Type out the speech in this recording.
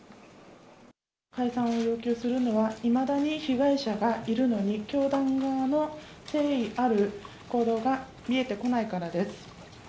解散を要求するのは、いまだに被害者がいるのに、教団側の誠意ある行動が見えてこないからです。